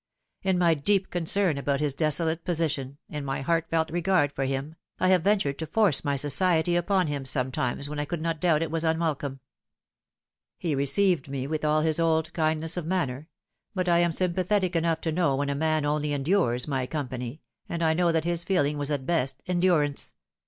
In my deep concern about his desolate position, in my heartfelt regard for 308 The Fatal TJiree. him, I have ventured to force my society upon him sometirnea when I could not doubt it was unwelcome. He received me with all his old kindness of manner ; but I am sympathetic enough to know when a man only endures my company, and I know that his feeling was at best endurance.